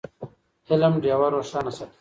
علم ډېوه روښانه ساتي.